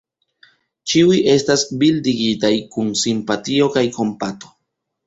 Ĉiuj estas bildigitaj kun simpatio kaj kompato.